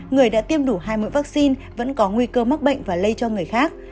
người đã tiêm đủ hai mũi vaccine vẫn có nguy cơ mắc bệnh và lây cho người khác